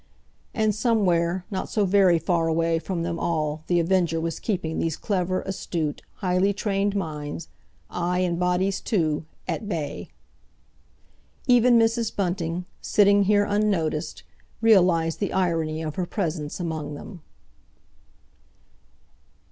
And somewhere, not so very far away from them all The Avenger was keeping these clever, astute, highly trained minds—aye, and bodies, too—at bay. Even Mrs. Bunting, sitting here unnoticed, realised the irony of her presence among them.